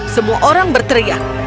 semua orang berteriak